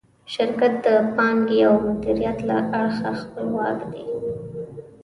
شرکت د پانګې او مدیریت له اړخه خپلواک دی.